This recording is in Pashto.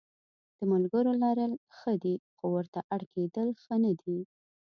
د ملګرو لرل ښه دي خو ورته اړ کېدل ښه نه دي.